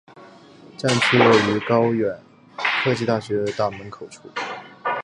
站区位于高苑科技大学大门口处。